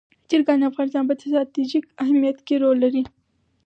چرګان د افغانستان په ستراتیژیک اهمیت کې رول لري.